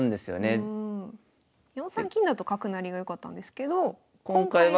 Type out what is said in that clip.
４三金だと角成りが良かったんですけど今回は。